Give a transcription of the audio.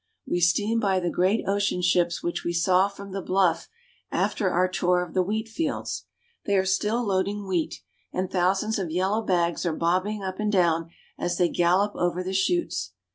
We steam by the great ocean ships which we saw from the bluff after our tour of the wheatfields. They are still loading wheat, and thousands of yellow bags are bobbing up and down as they gallop over the chutes.